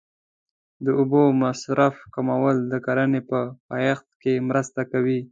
د اوبو د مصرف کمول د کرنې په پایښت کې مرسته کوي.